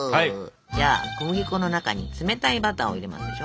じゃあ小麦粉の中に冷たいバターを入れますでしょ。